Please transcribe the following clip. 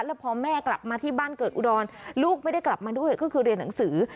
แล้วพอแม่กลับมาที่บ้านเกิดอุดรลูกไม่ได้กลับมาด้วยก็คือเรียนหนังสือ